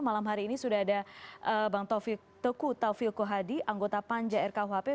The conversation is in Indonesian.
malam hari ini sudah ada bang taufik teku taufil kohadi anggota panja rkuhp